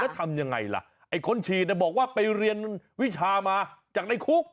ทำยังไงล่ะไอ้คนฉีดบอกว่าไปเรียนวิชามาจากในคุก